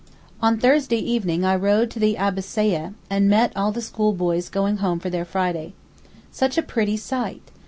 On Thursday evening I rode to the Abbassieh, and met all the schoolboys going home for their Friday. Such a pretty sight!